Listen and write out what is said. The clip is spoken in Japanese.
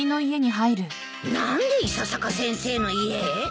何で伊佐坂先生の家へ？